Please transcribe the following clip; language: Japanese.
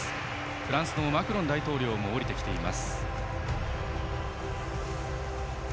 フランスのマクロン大統領も下りてきています。